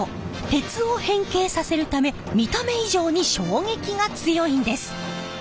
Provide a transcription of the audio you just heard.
鉄を変形させるため見た目以上に衝撃が強いんです！